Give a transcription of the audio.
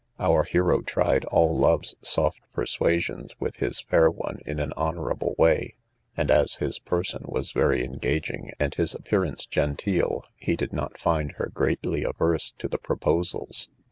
Our hero tried all love's soft persuasions with his fair one in an honourable way; and, as his person was very engaging, and his appearance genteel, he did not find her greatly averse to the proposals.